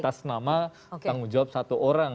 atas nama tanggung jawab satu orang